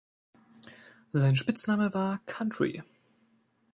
Sein Spitzname war "Country".